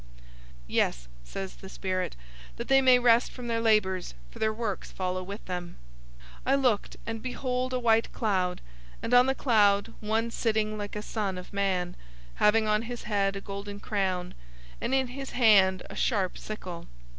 '" "Yes," says the Spirit, "that they may rest from their labors; for their works follow with them." 014:014 I looked, and behold, a white cloud; and on the cloud one sitting like a son of man,{Daniel 7:13} having on his head a golden crown, and in his hand a sharp sickle.